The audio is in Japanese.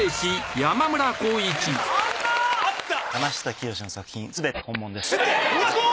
山下清の作品すべて本物です。